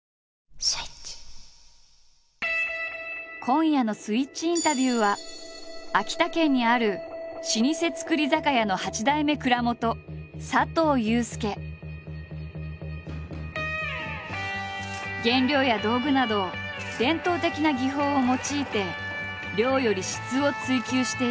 今夜の「スイッチインタビュー」は秋田県にある老舗造り酒屋の８代目原料や道具など伝統的な技法を用いて量より質を追求している。